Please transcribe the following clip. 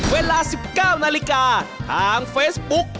เวลา๑๙นาฬิกาทางเฟซบุ๊ก